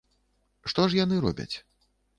Што ж яны робяць?